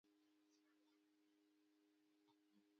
د ملکي خدمتونو د فعالیت طرز هم بیان شوی دی.